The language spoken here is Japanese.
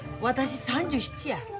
私３７や。